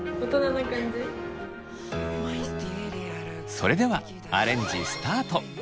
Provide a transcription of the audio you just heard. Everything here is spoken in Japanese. それではアレンジスタート。